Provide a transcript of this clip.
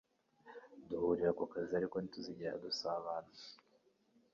Duhurira ku kazi ariko ntituzigera dusabana